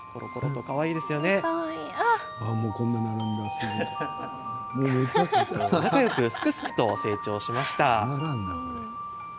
２頭仲よくすくすくと成長してきました。